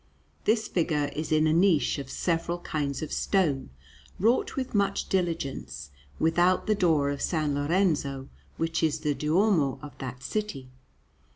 This figure is in a niche of several kinds of stone, wrought with much diligence, without the door of S. Lorenzo, which is the Duomo of that city.